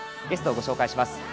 ゲストをご紹介します。